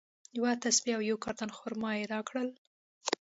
یوه تسبیج او یو کارټن خرما یې راکړل.